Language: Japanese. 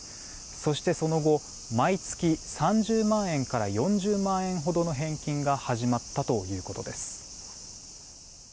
そして、その後毎月３０万円から４０万円ほどの返金が始まったということです。